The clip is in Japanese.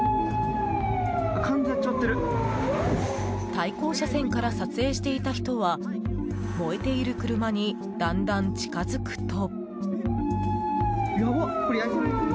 対向車線から撮影していた人は燃えている車にだんだん近づくと。